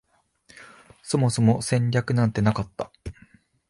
そもそも戦略なんてなかった